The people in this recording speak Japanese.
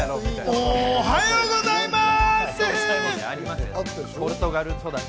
おはようございます！